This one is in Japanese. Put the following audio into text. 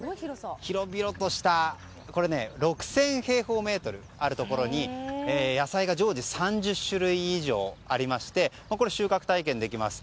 広々とした６０００平方メートルあるところに野菜が常時３０種類以上ありまして収穫体験ができます。